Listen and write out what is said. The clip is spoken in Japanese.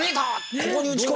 ここに打ち込めば。